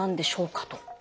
と。